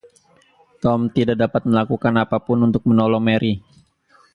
Tom tidak dapat melakukan apapun untuk menolong Mary.